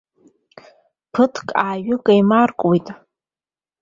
Ҭыԥк ааҩык еимаркуеит.